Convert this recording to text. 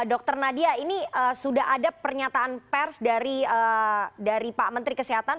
dr nadia ini sudah ada pernyataan pers dari pak menteri kesehatan